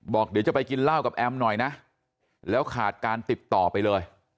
บอกเดี๋ยวจะไปกินเหล้ากับแอมหน่อยนะแล้วขาดการติดต่อไปเลย